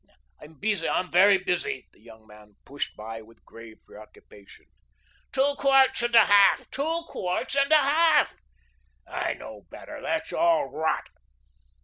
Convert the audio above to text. "I'm busy, I'm very busy." The young man pushed by with grave preoccupation. "Two quarts 'n' a half. Two quarts 'n' a half." "I know better. That's all rot."